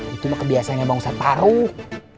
itu mah kebiasaannya bang ustadz paruh